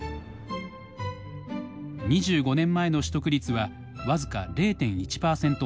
２５年前の取得率は僅か０．１％ほど。